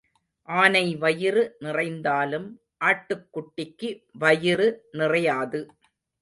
ஆனை வயிறு நிறைந்தாலும் ஆட்டுக் குட்டிக்கு வயிறு நிறையாது.